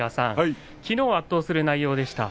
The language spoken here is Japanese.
きのうは圧倒する内容でした。